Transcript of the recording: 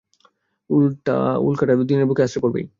উল্কাটা দুনিয়ার বুকে আছড়ে পড়বেই!